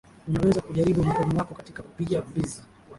Unaweza kujaribu mkono wako katika kupiga mbizi